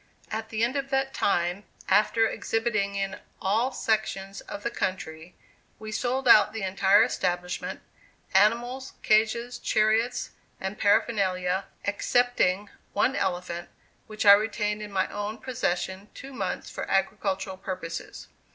At the end of that time, after exhibiting in all sections of the country, we sold out the entire establishment animals, cages, chariots and paraphernalia, excepting one elephant, which I retained in my own possession two months for agricultural purposes.